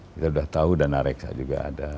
kita sudah tahu dana reksa juga ada